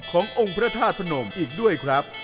ขององค์พระธาตุพนมอีกด้วยครับ